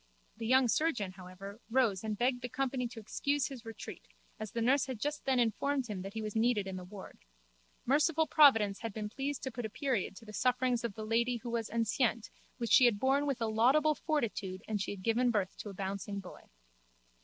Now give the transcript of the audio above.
The young surgeon, however, rose and begged the company to excuse his retreat as the nurse had just then informed him that he was needed in the ward. Merciful providence had been pleased to put a period to the sufferings of the lady who was enceinte which she had borne with a laudable fortitude and she had given birth to a bouncing boy.